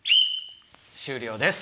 終了です！